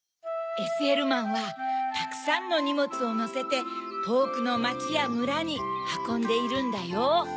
ＳＬマンはたくさんのにもつをのせてとおくのまちやむらにはこんでいるんだよ。